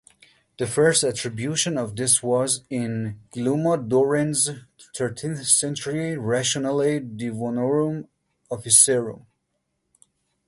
The first attribution of this was in Guillaume Durand's thirteenth-century "Rationale Divinorum Officiorum".